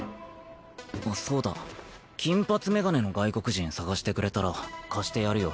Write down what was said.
あっそうだ金髪メガネの外国人捜してくれたら貸してやるよ